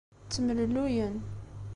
Ttemlelluyen.